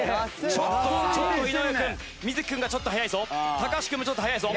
ちょっとちょっと井上君瑞稀君がちょっと速いぞ。